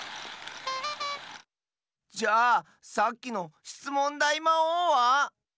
じゃさっきのしつもんだいまおうは？